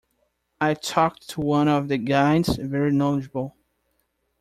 I talked to one of the guides – very knowledgeable.